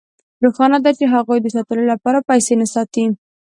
روښانه ده چې هغوی د ساتلو لپاره پیسې نه ساتي